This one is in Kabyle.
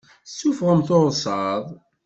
Tessuffɣem tursaḍ.